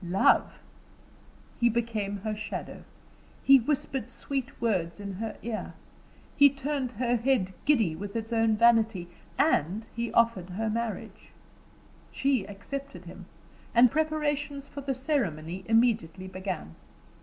Love! He became her shadow; he whispered sweet words in her ear; he turned her head giddy with its own vanity, and he offered her marriage. She accepted him, and preparations for the ceremony immediately began.